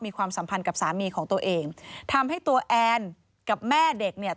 ความสัมพันธ์กับสามีของตัวเองทำให้ตัวแอนกับแม่เด็กเนี่ย